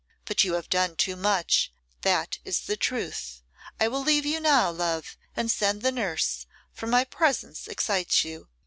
But you have done too much, that is the truth. I will leave you now, love, and send the nurse, for my presence excites you.